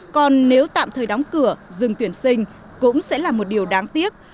còn nếu tạm thời đóng cửa dừng tuyển sinh cũng sẽ là một điều đáng tiếc